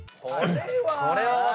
これは。